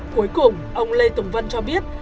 cuối cùng ông lê tùng vân cho biết